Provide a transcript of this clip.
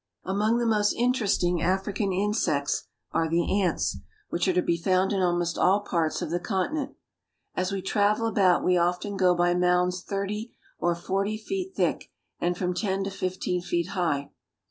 Among the most interesting African insects arc the ■■ants, which are to be found in almost all parts of the continent. As we travel about we often go by mounds thirty or forty feet thick and from ten to fifteen feet high.